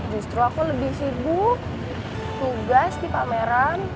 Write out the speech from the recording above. justru aku lebih sibuk tugas di pameran